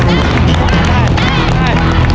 โอ้โอ้